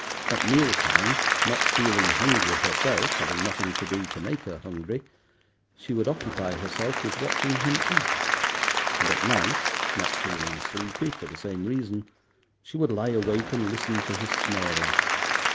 At meal time, not feeling hungry herself, having nothing to do to make her hungry, she would occupy herself with watching him eat; and at night, not feeling sleepy for the same reason, she would lie awake and listen to his snoring.